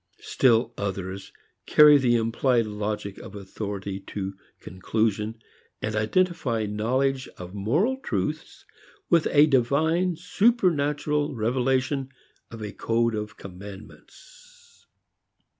Still others carry the implied logic of authority to conclusion, and identify knowledge of moral truths with a divine supernatural revelation of a code of commandments.